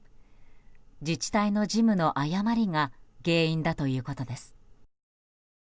自治体の事務の誤りが原因だということです。